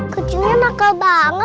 kucingnya makal banget sih